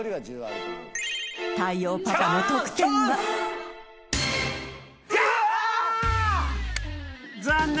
太陽パパの得点は残念！